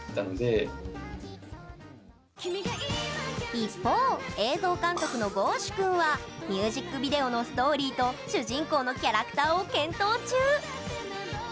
一方映像監督のｇｏ‐ｓｈｕ君はミュージックビデオのストーリーと主人公のキャラクターを検討中。